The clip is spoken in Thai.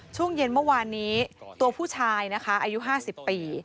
ช่วงเย็นเมื่อวานนี้ตัวผู้ชายนะคะอายุ๕๐ปี